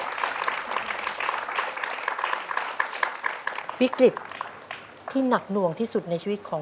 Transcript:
ขอบคุณที่เขาทำก้าใจ